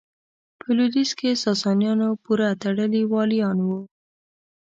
په لوېدیځ کې ساسانیانو پوره تړلي والیان وو.